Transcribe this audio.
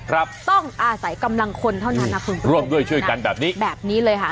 ครับต้องอาศัยกำลังคนเท่านั้นนะคุณร่วมด้วยช่วยกันแบบนี้แบบนี้เลยค่ะ